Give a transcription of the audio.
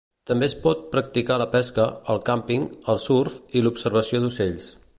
També es pot practicar la pesca, el càmping, el surf i l'observació d'ocells.